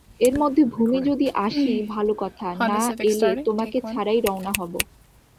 এর মধ্যে ভূমি যদি আসি ভালো কথা, না এলে তোমাকে ছাড়াই রওনা হব।